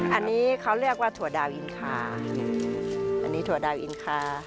อันนี้เขาเรียกว่าถั่วดาวอินคา